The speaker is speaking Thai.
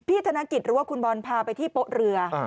ธนกิจหรือว่าคุณบอลพาไปที่โป๊ะเรือ